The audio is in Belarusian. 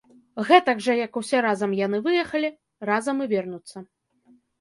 Гэтак жа як усе разам яны выехалі, разам і вернуцца.